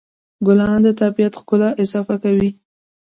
ګلان د طبیعت ښکلا اضافه کوي.